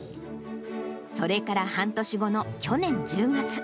それから半年後の去年１０月。